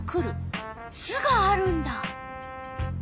巣があるんだ。